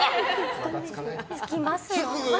つきますよ。